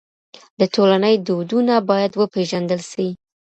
د ټولني دودونه بايد وپېژندل سي.